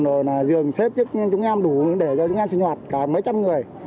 rồi là dường xếp cho chúng em đủ để cho chúng em sinh hoạt cả mấy trăm người